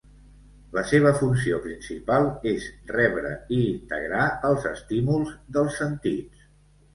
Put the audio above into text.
La seva funció principal és rebre i integrar els estímuls dels sentits.